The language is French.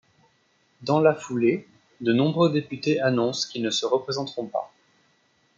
Dans la foulée, de nombreux députés annoncent qu'ils ne se représenteront pas.